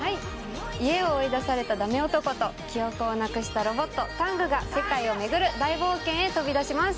家を追い出されたダメ男と記憶をなくしたロボットタングが世界を巡る大冒険へ飛び出します。